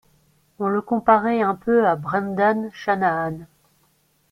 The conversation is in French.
On le comparait un peu à Brendan Shanahan.